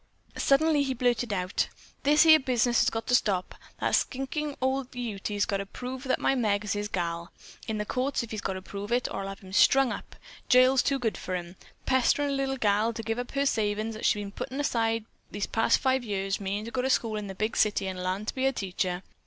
Suddenly he blurted out: "This here business has got to stop. That slinkin' ol' Ute's got to prove that my Meg is his gal. In the courts, he's got to prove it, or I'll have him strung up. Jail's too good for him. Pesterin' a little gal to get her to give up her savin's that she's been puttin' by this five year past, meanin' to go to school in the big city and larn to be a teacher.